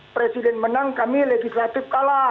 presiden menang kami legislatif kalah